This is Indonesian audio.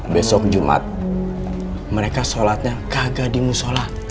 besok jumat mereka sholatnya kagah di musola